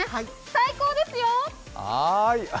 最高ですよ。